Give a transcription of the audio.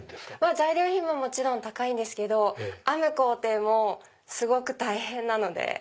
材料費ももちろん高いんですけど編む工程もすごく大変なので。